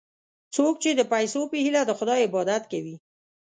څوک چې د پیسو په هیله د خدای عبادت کوي.